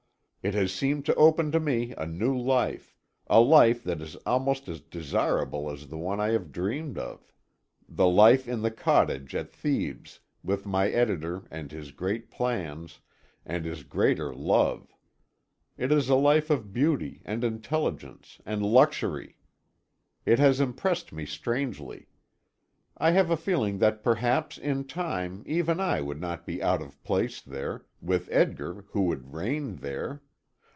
It has seemed to open to me a new life, a life that is almost as desirable as the one I have dreamed of the life in the cottage at Thebes, with my editor and his great plans, and his greater love. It is a life of beauty and intelligence and luxury. It has impressed me strangely. I have a feeling that perhaps, in time, even I would not be out of place there with Edgar who would reign there.